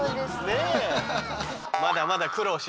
ねえ。